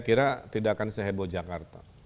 kira tidak akan sehebo jakarta